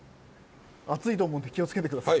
熱いと思うんで気をつけて下さい。